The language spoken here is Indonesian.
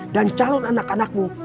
dan calon anak anakmu